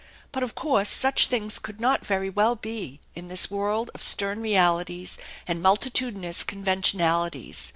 But of course such things could not very well be in this world of stern realities and multitudinous conven tionalities.